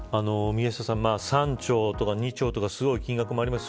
宮下さん、３兆とか２兆とかすごい金額があります。